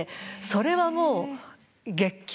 それはもう。